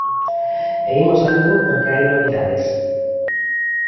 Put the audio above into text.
E imos a Lugo porque hai novidades.